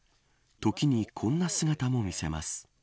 時に、こんな姿も見せます。